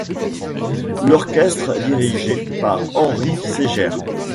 L'orchestre est dirigé par Henri Segers.